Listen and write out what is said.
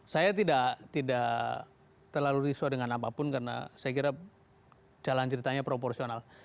saya tidak terlalu risuah dengan apapun karena saya kira jalan ceritanya proporsional